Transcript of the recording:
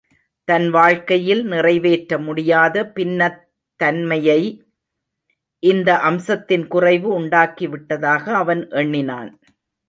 தன் வாழ்க்கையில் நிறைவேற்ற முடியாத பின்னத்தன்மையை, இந்த அம்சத்தின் குறைவு உண்டாக்கி விட்டதாக அவன் எண்ணினான்.